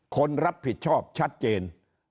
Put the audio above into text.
คนรับผิดชอบชัดเจน